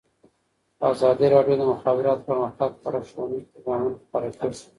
ازادي راډیو د د مخابراتو پرمختګ په اړه ښوونیز پروګرامونه خپاره کړي.